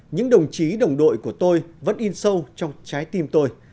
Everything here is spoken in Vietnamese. những đồng chí đồng đội của tôi vẫn in sâu trong trái tim tôi